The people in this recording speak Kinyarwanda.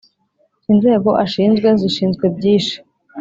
inzego ashinzwe zishinzwe byishi.